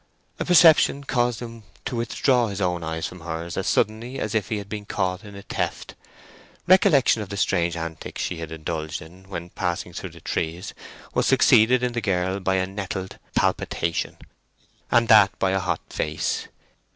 A perception caused him to withdraw his own eyes from hers as suddenly as if he had been caught in a theft. Recollection of the strange antics she had indulged in when passing through the trees was succeeded in the girl by a nettled palpitation, and that by a hot face.